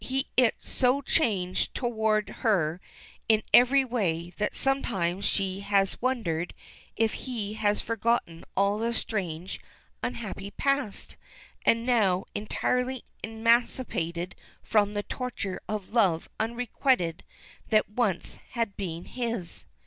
He it so changed toward her in every way that sometimes she has wondered if he has forgotten all the strange, unhappy past, and is now entirely emancipated from the torture of love unrequited that once had been his.